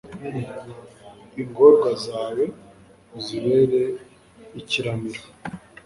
ingorwa zawe, uzibere ikiramiro